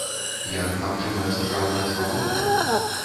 Як магчымая сапраўдная свабода?